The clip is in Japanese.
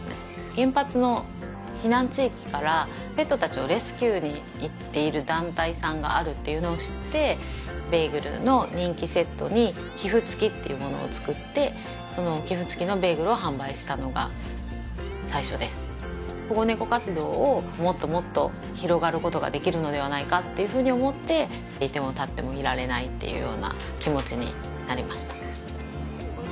原発の避難地域からペット達をレスキューに行っている団体さんがあるっていうのを知ってベーグルの人気セットに寄付つきっていうものを作ってその寄付つきのベーグルを販売したのが最初です保護猫活動をもっともっと広がることができるのではないかっていうふうに思っていてもたってもいられないっていうような気持ちになりました